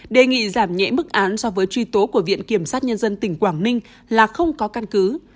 đề nghị giảm nhẹ mức án so với truy tố của viện kiểm sát nhân dân tỉnh quảng ninh là không có căn cứ